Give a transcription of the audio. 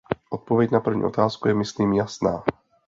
Odpověď na první otázku je myslím jasná.